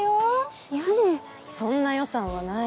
そんな予算はない。